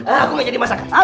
aku gak jadi masakan